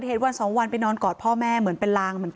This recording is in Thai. แต่มันถือปืนมันไม่รู้นะแต่ตอนหลังมันจะยิงอะไรหรือเปล่าเราก็ไม่รู้นะ